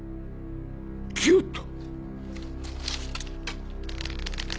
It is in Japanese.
来おった！